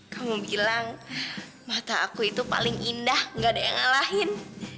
kamu bilang mata aku itu paling indah gak ada yang ngalahin